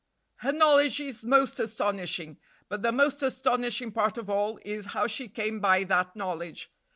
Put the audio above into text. "Her knowledge is most astonishing; but the most astonishing part of all is how she came by that knowledge.